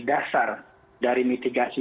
dasar dari mitigasi